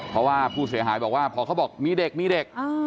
เพราะว่าผู้เสียหายบอกว่าพอเขาบอกมีเด็กมีเด็ก